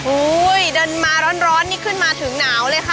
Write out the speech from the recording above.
เดินมาร้อนนี่ขึ้นมาถึงหนาวเลยค่ะ